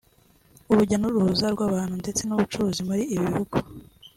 urujya n’uruza rw’abantu ndetse n’ubucuruzi muri ibi bihugu